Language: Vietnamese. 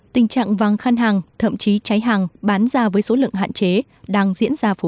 tình trạng của các kênh đầu tư khác có rủi ro